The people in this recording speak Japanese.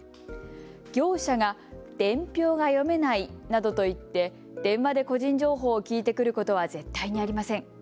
業者が伝票が読めないなどと言って電話で個人情報を聞いてくることは絶対にありません。